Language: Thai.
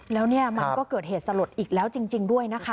แล้วเนี่ยมันก็เกิดเหตุสลดอีกแล้วจริงด้วยนะคะ